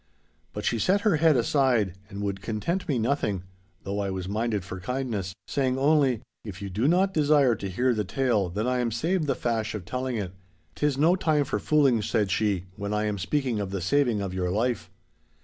But she set her head aside, and would content me nothing (though I was minded for kindness), saying only, 'If you do not desire to hear the tale, then I am saved the fash of telling it. 'Tis no time for fooling,' said she, 'when I am speaking of the saving of your life.